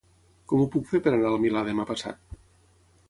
Com ho puc fer per anar al Milà demà passat?